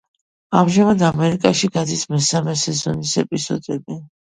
ამჟამად ამერიკაში გადის მესამე სეზონის ეპიზოდები.